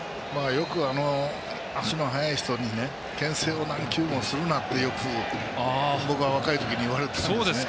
よく、足の速い人にけん制を何球もするなって、よく僕は若い時に言われたんです。